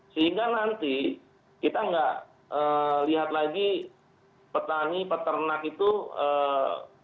sehingga nanti kita nggak lihat lagi petani peternak itu ee